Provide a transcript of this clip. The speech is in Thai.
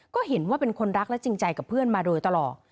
ก็เห็นว่าเป็นคนรักและจริงใจกับเพื่อนมาโดยตลอด